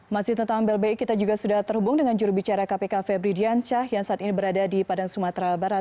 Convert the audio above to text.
masih tentang blbi kita juga sudah terhubung dengan jurubicara kpk febri diansyah yang saat ini berada di padang sumatera barat